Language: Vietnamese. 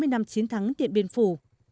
sáu mươi năm chiến thắng điện biên phủ